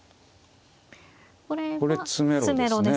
これは詰めろですね。